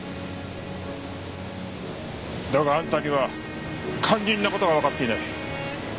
だがあんたには肝心な事がわかっていない。